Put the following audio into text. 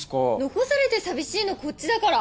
残されて寂しいのこっちだから。